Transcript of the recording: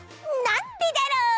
なんでだろう？